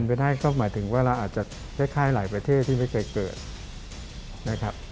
ไม่ได้ก็หมายถึงว่าเราอาจจะคล้ายหลายประเทศที่ไม่เคยเกิดนะครับ